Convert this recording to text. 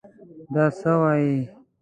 دا څه وايې!